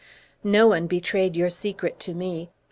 "No one betrayed your secret to me.